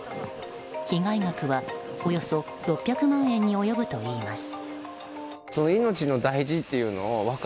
被害額は、およそ６００万円に及ぶといいます。